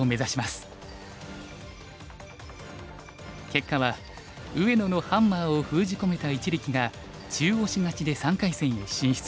結果は上野のハンマーを封じ込めた一力が中押し勝ちで３回戦へ進出。